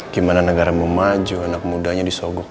gimana negara memaju anak mudanya disogok mau